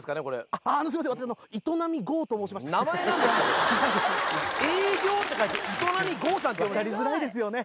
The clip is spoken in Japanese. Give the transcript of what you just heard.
あのいとなみごうと申しまして名前なんですか営業って書いていとなみごうさんって読むんですか分かりづらいですよね